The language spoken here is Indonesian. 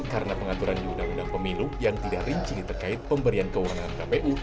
karena pengaturan di undang undang pemilu yang tidak rinci terkait pemberian kewarnahan kpu